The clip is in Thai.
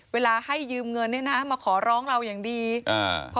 เวลาให้ยืมเงินเนี้ยนะมาขอร้องเราอย่างดีอ่า